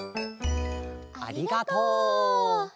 ありがとう。